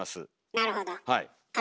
なるほど。